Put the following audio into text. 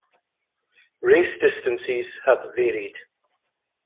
Race distances have varied.